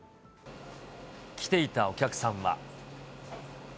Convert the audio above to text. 来ていたお客さんは。